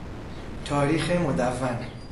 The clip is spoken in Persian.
تاریخ مدون